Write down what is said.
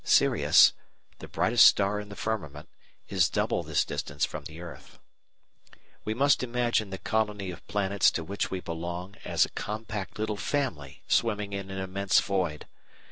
Sirius, the brightest star in the firmament, is double this distance from the earth. We must imagine the colony of planets to which we belong as a compact little family swimming in an immense void.